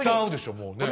もうねえ。